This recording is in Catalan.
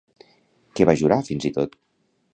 Què va jurar, fins i tot?